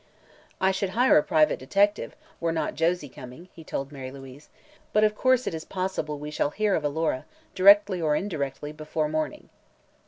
"I should hire a private detective, were not Josie coming," he told Mary Louise; "but of course it is possible we shall hear of Alora, directly or indirectly, before morning."